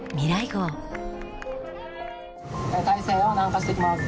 大西洋を南下していきます。